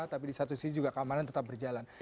tapi di satu sisi juga keamanan tetap berjalan